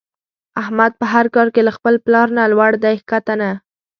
احمد په هر کار کې له خپل پلار نه لوړ دی ښکته نه.